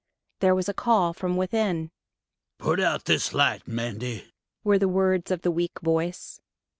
There was a call from within. "Put out this light, Mandy," were the words of the weak voice.